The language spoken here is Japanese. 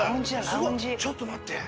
すごいちょっと待って。